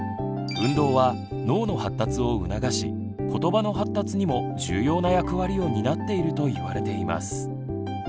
運動は脳の発達を促しことばの発達にも重要な役割を担っていると言われています。